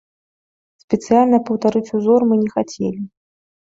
Спецыяльна паўтарыць узор мы не хацелі.